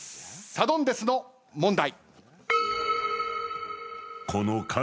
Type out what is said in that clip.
サドンデスの問題。